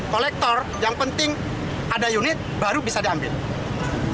kolektor yang penting ada unit baru bisa diambil